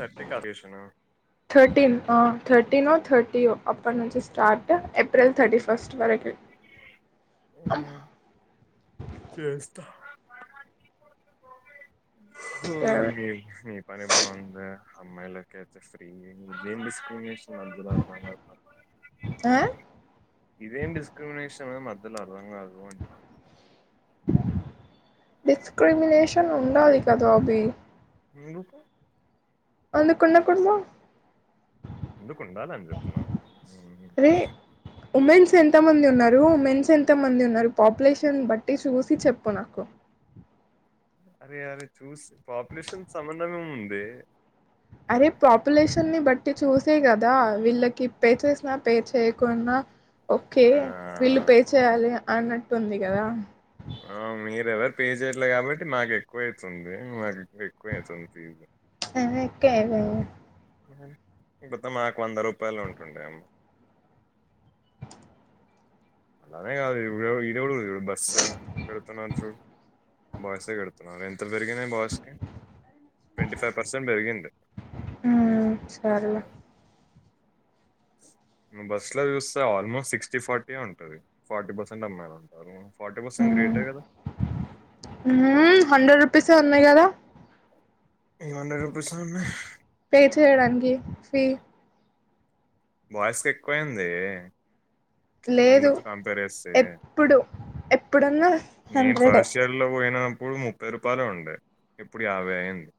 Certification thirteen ఆ thirty no థర్టీయో అప్పడు నుంచి స్టార్ట్ ఏప్రిల్ థర్టీ ఫస్ట్ వరకి అ చేస్తా ఓరిని నీ పని బాగుందే అమ్మాయిలకైతే ఫ్రీం [unintelligible] ఆ ఇదేం డిస్క్రిమినేషన్ మ ఏం లే అర్ధం గాదు అంటున్న డిస్క్రిమినేషన్ ఉండాలి కదా అవి ఎందుకు ఎందుకు ఉండకూడదు ఎందుకుండాలి అని చెప్తున్న అరే ఉమెన్స్ ఎంతమంది ఉన్నారు ఉమెన్స్ ఎంతమంది ఉన్నా అరే అరే చూసి పాపులేషన్ సంబంధమేం ఉంది అరే పాపులేషన్ ని బట్ ట్టి చూసే కదా వీళ్ళకి పే చేసినా పే చేయకున్నా ఓకే ఆ వీళ్ళు పే చేయాలి అన్నట్టుంది కదా ఆ మీర్ ఎవరు పే చేయట్లే కాబట్టి మాకు ఎక్కువ అయితుంది మాకు ఎక్కువయి తుంది [unintelligible] కొత్తె మాకు వంద రూపాయలు ఉంటుండే అమ్మ [unintelligible] [unintelligible] బస్ పెడుతున్నాన్ చూ [unintelligible] ఎంత పెరిగింది బాయస్కి ట్వంటీ ఫైవ్ పర్సెంట్ పెరిగింది ఫీజు సరేలే బస్లో చూస్తే ఆల్మోస్ట్ సిక్స్టీ ఫోర్టీ ఏ ఉం అది ఫార్టీ పర్సెంట్ అమ్మాల్ అంటారు ఉం ఉం హండ్రెడ్ రూ చెప్పేసే ఉన్నాయి కదా [unintelligible] [unintelligible] [unintelligible] [unintelligible] పే చేయడానికి ఫీ బాయిస్ ఎక్కువయిందే లేదు ఎప్పుడు ఎప్పుడన్నా హండ్రెడే ప్పుడు ముప్పై రూపాయిలే ఉండే ఇప్పుడు యాభై అయింది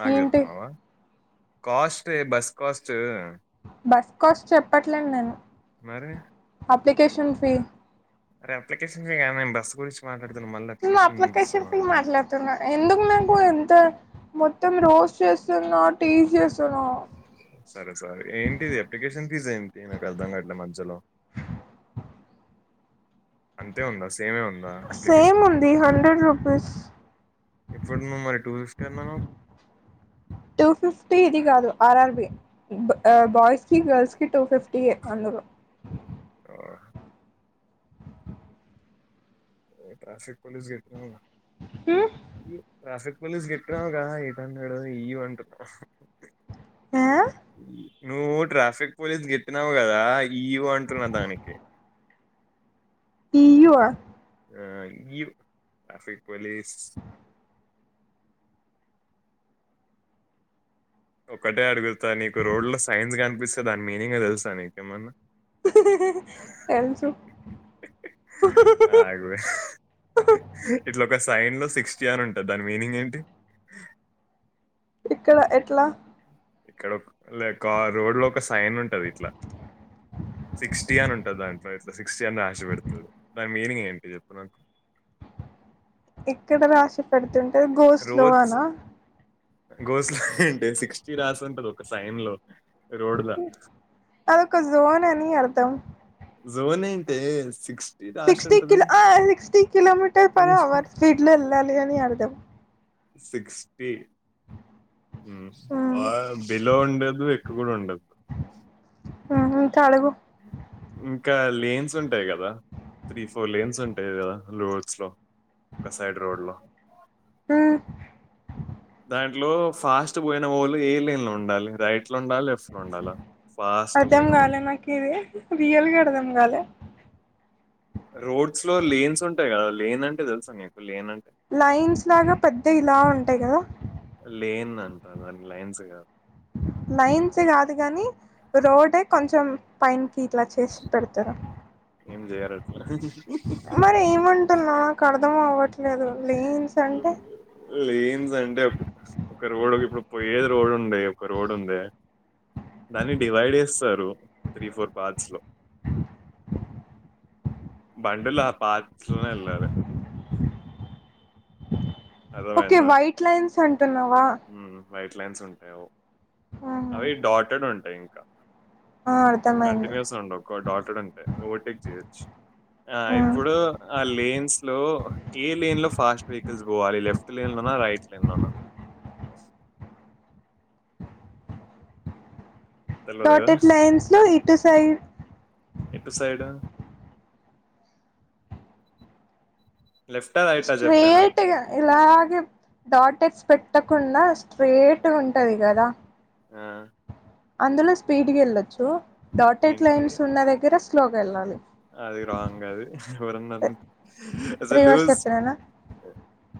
నాకు ఏంటి చెప్తున్నావా కాస్టే బస్ కాస్ట్ బస్ కాస్ట్ చెప్పట్లేన్ నేను మరి ప్లికేషన్ ఫీ [unintelligible] మాట్లాడుతున్నా మళ్ళీ ను అప్లికేషన్ ఇస్తామా ఫీ మట్లాడ్తున్న ఎందుకు నాకు ఇంత మొ మొత్తం రోస్ చేస్తున్నావు టీస్ చేస్తున్నావు సరే సారీ ఏంటిది అప్లికేషన్ ఫీజ్ ఏంటి నక్ అర్ధం కట్లే మధ్యలో అంతే ఉందా స సేమే ఉందా సేమ్ అప్లికేషన్ ఫీ ఉంది హండ్రెడ్ రూపీస్ ఇప్పుడు మరి టూ ఫి [unintelligible] టూ ఫిఫ్టీ ఇది కాదు ఆర్ ఆర్ ఆర్బి బ బాయ్సకి గర్ల్స్ కి టూ ఫిఫ్టీ ఏ అందరూ ఆహ్ [unintelligible] ఈ ట్రాఫిక్ మ్మ్ పులీస్ కట్టినావు క ఎయిట్ హండ్రెడ్ ఇయ అంటున్నా ఆ ఉమ్ నువ్వు ట్రాఫిక్ పోలీస్ కి చెప్పినావ్ కదా ఈయువో అంటున్నా దానికి ఈయువ్ ఆ ఆ ఈయువ్ ట్రాఫక్ పోలీస్ ఒకటే అడుగుతా నీకు రోడ్ లో సైన్స్ కనిపిస్తదా మీనింగ్ తెలుసా నీకేమన్నా తెల్సు ఆగు ఇట్లా ఒక సైన్ లో సిక్స్టీ ఆర్ ఉంటుది దాని మీనింగ్ ఏంటి ఇక్కడ ఎట్లా ఇక్కడ ఓక్ లేక్ కార్ రోడ్ లో ఒక సైన్ ఉంటది. ఇట్లా సిక్స్టీ అని ఉంటది దాంట్లో ఇట్లా సిక్స్టీఅని రాశిపెడుతరు దాని మీనింగ్ ఏంటి చెప్పు నాకు ఇక్కడ రాశిపెడుతున్ ఇ గో స్లోవానా గోస్లా ఏంటే సిక్స్టీ రాసి ఉంటది ఒక సైన్ లో రోడ్ లా అదొక జోన్ అని అర్థ మ్ జోన్ ఎంటే సిక్స్ సిక్స్టీ కిలో ఆ sixty kilometre per hour speed లో ఎళ్ళాలి అని అర్దం సిక్స్టీ ఉమ్ ఆ ఉమ్ బిలో ఉన్ ఎక్కువ కూడా ఉండదు ఆహా తాలుగు ఇంకా లేన్స్ ఉంటాయి కదా త్రీ ఫోర్ లేన్స్ ఉంటాయి కదా రోడ్స్ లో ఒక సైడ్ రోడ్ లో మ్ దాంట్లో ఫాస్ట్ పోయిన ఓళ్లు ఏ లైన్ లో ఉండాలి రైట్ లో ఉండాల లెఫ్ట్ లో ఉండాలా ఫాస్ట్ అర్ధం పోయిన వాళ్ళు కాలే నాకు ఇది రియల్గా అర్థం కాలే రోడ్స్ లో లేన్స్ ఉంటాయి కదా లేన్ అంటే తెలుసా నీకు లేన్ అంటే లైన్స్ లాగా పెద్ద ఇలా ఉంటాయి కదా అంటా దానికి లైన్స్ కాద్ లైన్స్ కాదు కాని రోడే కొంచెం పైన్ కి ఇట్లా చేసి పెడతార ఏం చేయరు అట్లా మరి ఏమంటున్నావ్ నాక్ అర్థం [unintelligible] లేదు లీన్స్ అంటే లేన్స్ అంటే ఒక రోడ్ ఇప్పుడు పోయేది రోడ్ ఉండే ఒక రోడ్ ఉంది. దాన్ని డివైడ్ చేస్తారు త్రీ ఫోర్ పార్ట్స్ లో బండి లు ఆ పార్ట్స్ లోనే వెళ్ళాలి. ఓకె అర్థమైందా వైట్ లైన్స్ అంటున్నావా వైట్ లైన్స్ ఉంటాయో ఆహా అవి డాటడ్ ఉంట ఇంకా ఆ అర్థమైంది కంటిన్యూస్ గా ఉండవ్ ఒక డాటెడ్ ఉంటాయి ఓవర్టేక్ చేయద్దు ి ఆ ఇప్పుడు ఆ లీన్స్ లో ఏ లేన్ లో ఫాస్ట్ వెహికల్స్ వాలి లెఫ్ట్ లైన్ లోనా రైట్ లైన్ లోనా తెలవదు కదా! డాటెడ్ లైన్స్ లో ఇటు సైడ్ ఎటు సైడ్? లెఫ్టా? రైటా? చెప్పే స్ట్రేట్ నాకు. ఇలాగే డాటెట్స్ పెట్టకుండా స్ట్రేట్ ఉంటది కదా ఆ! అందులో స్పీడ్కి వెళ్ళొచ్చు డాటెడ్ ఏంటి? లైన్స్ ఉన్న దగ్గర శ్లో గా వెళ్ళాలి అది రాంగ్ అది ఎవరన్నా అసలు రివర్స్ లూస్ చెప్పినానా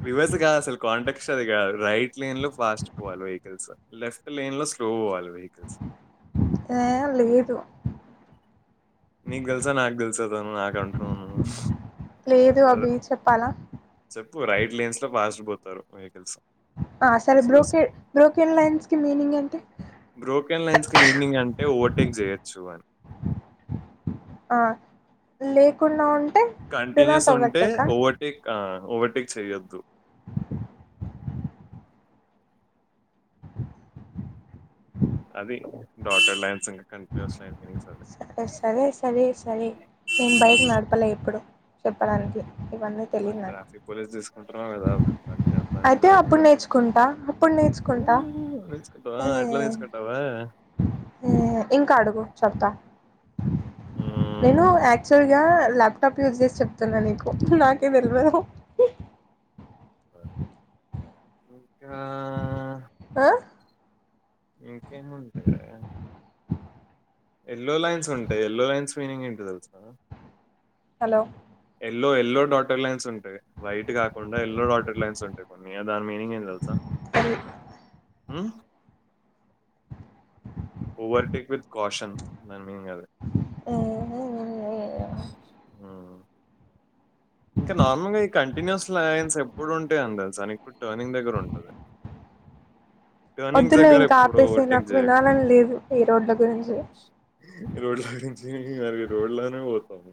రివేర్స్ కాద్ అసలుంటక్ట్ టెక్స్ట్ అది కాదు రైట్ లేన్ లో ఫాస్ట్ పోవాలి వెహికల్స్ లెఫ్ట్ లైన్ లో స్లో పోవ్వాలి ఏ లేదు నీకు తెెలుసా నాకు తెెలుస తను నాకు అంటున్నా వ్ లేదు నువు అభి చెప్పాలా చెప్పు రైట్ లైన్స్ లో ఫాస్ట్ పోతారు వెహికల్స్ అసలు సో బ్రోకెడ్ బ్రోకెన్ లైన్స్కిి మీనింగ్ ఏంటి ఓవర్టెక్ జయచూ అని ఆ లేకున్న ఉ కంటిన్యూస్ ఉంటే ఓవర్టేక్ ఓవర్ టేక్ చేయద్దు అది డాటెడ్ లైన్స్ ఇకా కంటిన్యూస్ లైన్ మీనింగ్స్ అవి సరే సరే సరే సరే నేను బైక్ నడపలే ఎప్పుడు చెప్పడానికి ఇవన్నీ మా తెలియదు నాకు ట్రాఫిక్ పోలీస్ తీసుకుంటున్నా లేదా బంట నడపంట అయితే అవి అప్పుడు కూడా నేర్చుకుంటా అప్పుడు నేర్చుకుంటా తీకుంటావా అట్లా తీసుకుంటావా ఇంకా అడుగు చెప్తా నేను మ్మ్. యాక్టువల్ ల్యాప్టాప్ యూజ్ చేసి చెప్తున్నా నీకు నాకే తెలివాదు ఇంకా ఆ అ ఇంకేం ఉంటాయే ఎల్లో లైన్స్ ఉంటాయి ఎల్లో లైన్స్ మీనింగ్ ఏంటో తెలుసా hello yellow yellow dotted lines ఉంటాయి వైట్ కాకుండా ఎల్లో డాటర్ లైన్స్ంటాయి కొన్ని దాని మీనింగ్ ఏందో తెలుసా మ్మ్ ఓవర్టేక్ విత్ కాషన్ దాని మీనింగ్ అది ఇంకా నార్మల్ గా ఈ కంటిన్యూస్ లైన్స్ ఎప్పుడు ఉంటయి అని తెలుసా నీకు టర్నింగ్ దగ్గర ఉంటది టర్నింగ్స్ వద్దులే దగ్గర ఇంకా ఎప్పుడు ఆపేసే ఓవర్‌టేక్ నాకు జేయకు. వినాలని లేదు ఈ రోడ్ల గురించి [unintelligible] మరి రోడ్లానే పోతాము